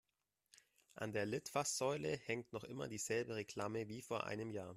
An der Litfaßsäule hängt noch immer dieselbe Reklame wie vor einem Jahr.